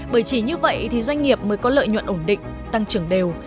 bởi chỉ như vậy thì doanh nghiệp mới có lợi nhuận ổn định tăng trưởng đều